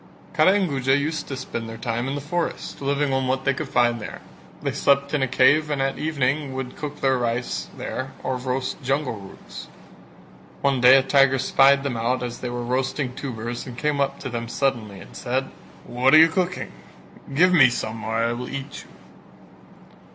Kara and Guja used to spend their time in the forest, living on what they could find there; they slept in a cave and at evening would cook their rice there or roast jungle roots. One day a tiger spied them out as they were roasting tubers and came up to them suddenly and said. "What are you cooking? Give me some or I will eat you."